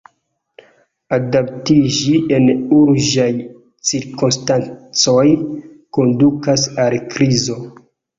Adaptiĝi en urĝaj cirkonstancoj kondukas al krizo.